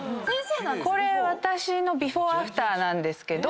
これ私のビフォーアフターなんですけど。